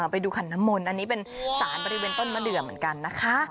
ไปดูขันน้ำมนต์อันนี้เป็นสารบริเวณต้นมะเดือเหมือนกันนะคะ